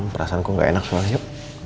perasaanku gak enak semangat yuk